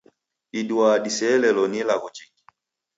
Diduagha diseelelo ni ilagho jingi.